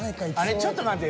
あれちょっと待って。